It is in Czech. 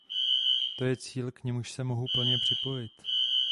To je cíl, k němuž se mohu plně připojit.